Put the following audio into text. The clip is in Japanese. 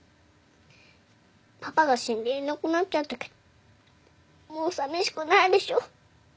パパが死んでいなくなっちゃったけどもうさみしくないでしょ？